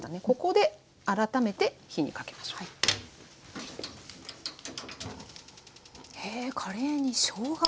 ここで改めて火にかけましょう。